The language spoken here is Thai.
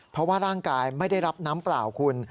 เพราะว่าร่างกายไม่ได้รับน้ำเปล่าคุณ